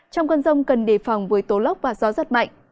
trong cơn rông cần đề phòng với tố lốc và gió rất mạnh